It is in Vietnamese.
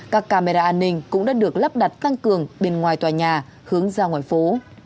các camera an ninh cũng đã được lắp đặt tăng cường bên ngoài tòa nhà hướng ra ngoài phố